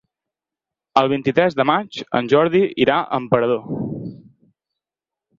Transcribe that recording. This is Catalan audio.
El vint-i-tres de maig en Jordi irà a Emperador.